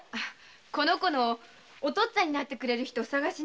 この子のお父っつぁんになってくれる人捜しに。